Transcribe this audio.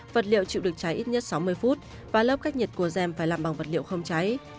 vật liệu chịu được cháy ít nhất sáu mươi phút và lớp cách nhiệt của dèm phải làm bằng vật liệu không cháy